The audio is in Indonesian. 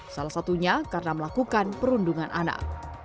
salah satunya karena melakukan perundungan anak